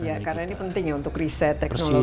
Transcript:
ini ya karena ini penting untuk riset teknologi